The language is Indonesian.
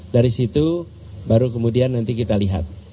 dari situ baru kemudian nanti kita lihat